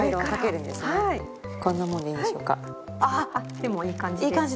でもいい感じです。